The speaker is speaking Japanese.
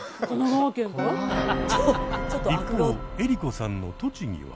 一方江里子さんの栃木は。